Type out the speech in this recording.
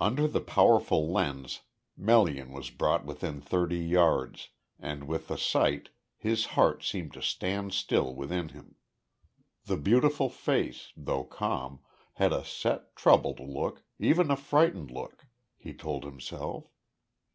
Under the powerful lens, Melian was brought within thirty yards, and with the sight, his heart seemed to stand still within him. The beautiful face, though calm, had a set, troubled look, even a frightened look, he told himself.